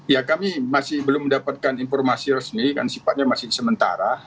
ya kami masih belum mendapatkan informasi resmi kan sifatnya masih sementara